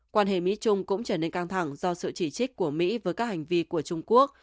quan hệ mỹ trung cũng trở nên căng thẳng do sự chỉ trích của mỹ với các hành vi của trung quốc